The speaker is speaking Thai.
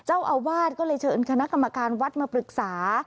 เจ้าอาวาสก็เลยเชิญคณะกรรมการวัดมาปรึกษา